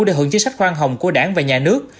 để hưởng chính sách khoan hồng của đảng và nhà nước